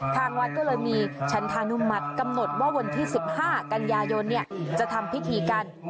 ทางวัดก็เลยมีชันธานุมัติกำหนดว่าวันที่๑๕กันยายนจะทำพิธีกัน